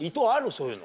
そういうの。